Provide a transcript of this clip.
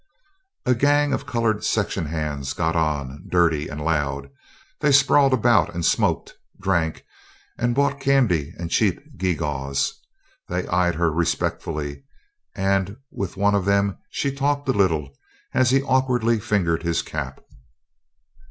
A gang of colored section hands got on, dirty and loud. They sprawled about and smoked, drank, and bought candy and cheap gewgaws. They eyed her respectfully, and with one of them she talked a little as he awkwardly fingered his cap.